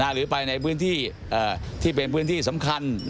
หรือไปในพื้นที่ที่เป็นพื้นที่สำคัญ